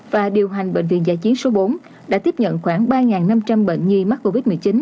và điều hành bệnh viện giã chiến số bốn đã tiếp nhận khoảng ba năm trăm linh bệnh nhi mắc covid một mươi chín